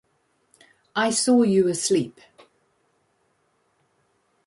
I saw you asleep.